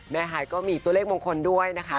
หายก็มีตัวเลขมงคลด้วยนะคะ